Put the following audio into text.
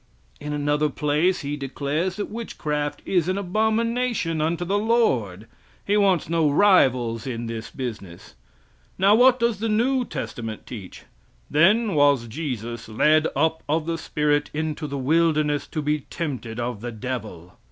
In another place he declares that witchcraft is an abomination unto the Lord. He wants no rivals in this business. Now what does the new testament teach: "Then was Jesus lead up of the Spirit into the wilderness to be tempted of the devil.